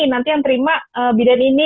nanti yang terima bidan ini